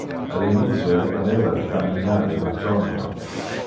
Al initio le pareva de camminar in un sonio.